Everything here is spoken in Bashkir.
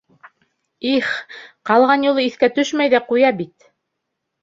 Их, ҡалған юлы иҫкә төшмәй ҙә ҡуя бит!..